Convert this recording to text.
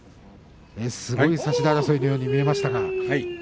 すごい差し手争いのように見えました。